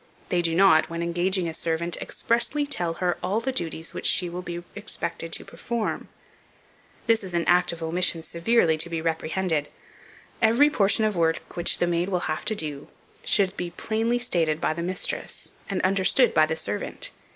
They do not, when engaging a servant, expressly tell her all the duties which she will be expected to perform. This is an act of omission severely to be reprehended. Every portion of work which the maid will have to do, should be plainly stated by the mistress, and understood by the servant.